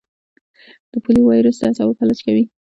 د پولیو وایرس د اعصابو فلج کوي.